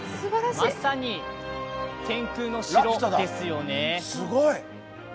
まさに天空の城ですよね。